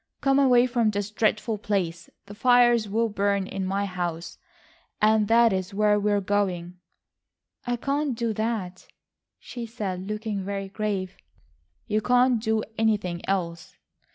Come away from this dreadful place. The fires will burn in my house, and that is where we are going." "I can't do that," she said, looking very grave. "You can't do anything else."